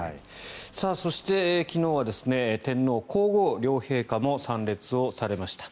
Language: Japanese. そして、昨日は天皇・皇后両陛下も参列をされました。